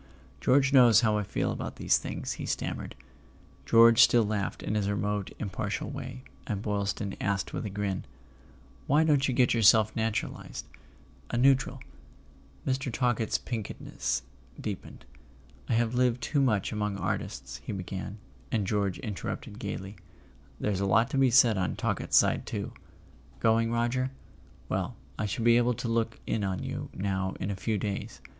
"George knows how I feel about these things," he stammered. George still laughed in his remote impartial way, and Boylston asked with a grin: "Why don't you get yourself naturalized—a neutral?" Mr. Talkett's pinkness deepened. "I have lived too much among Artists " he began; and George inter¬ rupted gaily: "There's a lot to be said on Talkett's [ 322 ] A SON AT THE FRONT side too. Going, Roger? Well, I shall be able to look in on you now in a few days.